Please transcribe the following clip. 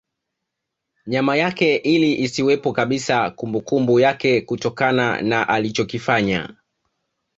Nyama yake ili isiwepo kabisa kumbukumbu yake kutokana na alichikofanya